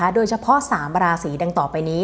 โดยเฉพาะ๓ราศีดังต่อไปนี้